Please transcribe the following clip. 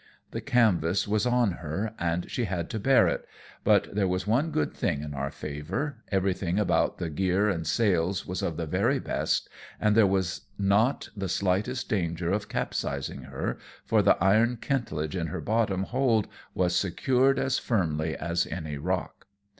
The canvas was on her, and she had to bear it, but there was one good thing in our favour^ everything about the gear and sails was of the very bestj and there was not the slightest danger of capsizing her, for the iron kentledge in her bottom hold was secured as firmly as any rock.